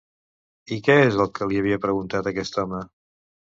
I què és el que li havia preguntat aquest home?